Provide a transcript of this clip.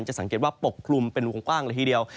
จะสังเกตว่าปกคลุมเป็นวงกว้างเลยทีเดียว